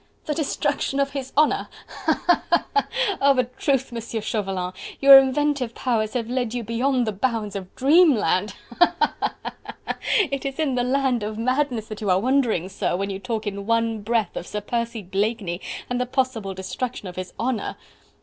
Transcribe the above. "The destruction of his honour!... ha! ha! ha! ha!... of a truth, Monsieur Chauvelin, your inventive powers have led you beyond the bounds of dreamland!... Ha! ha! ha! ha!... It is in the land of madness that you are wandering, sir, when you talk in one breath of Sir Percy Blakeney and the possible destruction of his honour!"